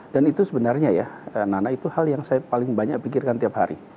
dan itu sebenarnya ya nana hal yang saya paling banyak pikirkan tiap hari